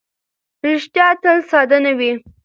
ریښتیا تل ساده نه وي.